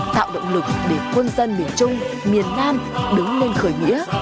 tạo động lực để quân dân miền trung miền nam đứng lên khởi nghĩa